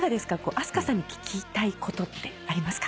ＡＳＫＡさんに聞きたいことってありますか？